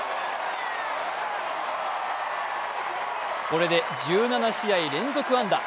これで１７試合連続安打。